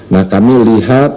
nah kami lihat